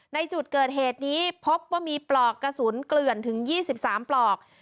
ในจุดเกิดเหตุนี้พบว่ามีปลอกกระสุนเกลื่อนถึง๒๓ปลอก